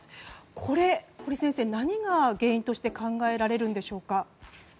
これ、堀先生何が原因として考えられるんでしょうか。